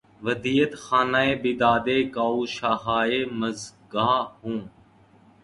ودیعت خانۂ بیدادِ کاوشہائے مژگاں ہوں